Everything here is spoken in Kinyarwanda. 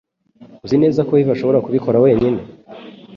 Uzi neza ko yves ashobora kubikora wenyine?